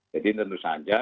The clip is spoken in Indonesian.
jadi tentu saja